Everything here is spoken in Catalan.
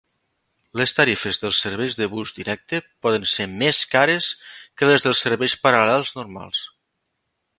Les tarifes dels serveis de bus directe poden ser més cares que les dels serveis paral·lels normals.